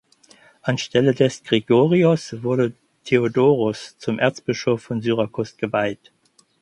Anstelle des Gregorios wurde Theodoros zum Erzbischof von Syrakus geweiht.